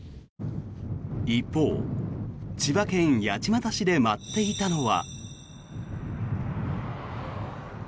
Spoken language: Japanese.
一方、千葉県八街市で舞っていたのは。